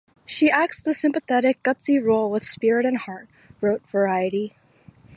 She acts the sympathetic, gutsy role with spirit and heart", wrote "Variety".